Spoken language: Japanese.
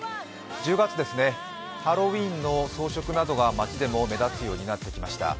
１０月ですね、ハロウィーンの装飾などが街でも目立つようになってきました。